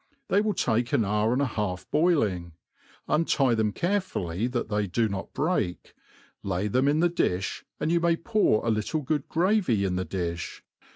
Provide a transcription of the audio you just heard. They will lake ^n hour aqd a half boiling ; untie them carefully that they do not break ; lay them' in the difb, and you may pour a little good gravy in the difli.